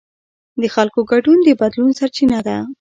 د خلکو ګډون د بدلون سرچینه ده